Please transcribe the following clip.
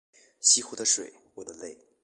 西湖的水我的泪